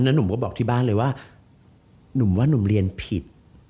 หนุ่มก็บอกที่บ้านเลยว่าหนุ่มว่านุ่มเรียนผิด